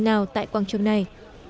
nào tại quảng trường này